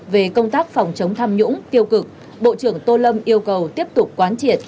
về công tác phòng chống tham nhũng tiêu cực bộ trưởng tô lâm yêu cầu tiếp tục quán triệt